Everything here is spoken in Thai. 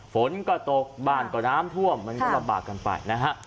ฝนก็ตกบ้านก็น้ำท่วมมันก็ลำบากกันไปนะฮะ